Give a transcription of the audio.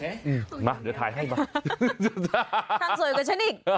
ทำสวยกว่าฉันอีก